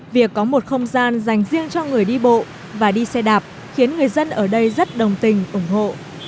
việc có một không gian dành riêng cho người đi bộ và đi xe đạp khiến người dân ở đây rất đồng tình ủng hộ